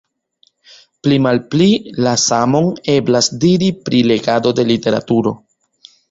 Pli-malpli la samon eblas diri pri legado de literaturo.